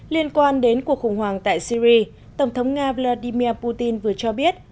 liên quan đến cuộc khủng hoảng tại syri tổng thống nga vladimir putin vừa cho biết